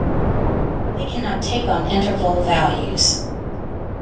They cannot take on interval values.